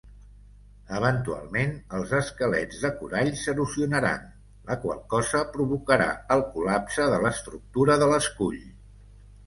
Eventualment, els esquelets de corall s'erosionaran, la qual cosa provocarà el col·lapse de l'estructura de l'escull.